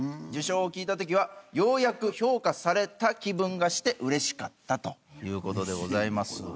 受賞を聞いた時はようやく評価された気分がして嬉しかったという事でございます。